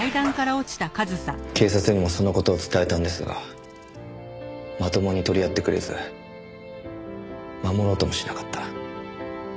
警察にもその事を伝えたんですがまともに取り合ってくれず守ろうともしなかった。